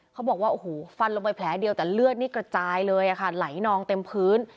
เขาบอกว่าโอ้โหฟันลงไปแผลเดียวแต่เลือดนี่กระจายเลยค่ะไหลนองเต็มพื้น